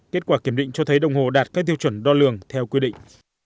kết quả kiểm định cho thấy đồng hồ đạt các tiêu chuẩn đo lường theo quy định